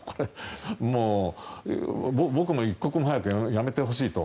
もう僕も一刻も早くやめてほしいと。